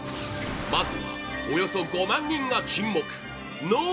まずは、およそ５万人が沈黙！